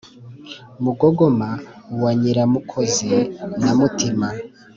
mugogoma wa nyiramukozi na mutima